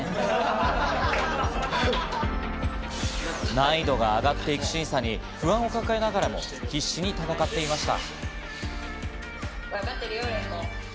難易度が上がっていく審査に不安を抱えながらも必死に戦っていました。